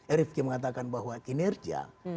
erifki mengatakan bahwa kinerja